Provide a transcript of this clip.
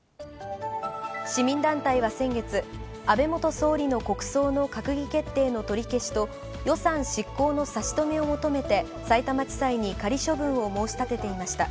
市民団体は先月、安倍元総理の国葬の閣議決定の取り消しと、予算執行の差し止めを求めて、さいたま地裁に仮処分を申し立てていました。